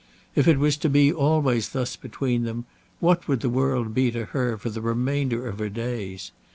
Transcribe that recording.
If it was to be always thus between them, what would the world be to her for the remainder of her days?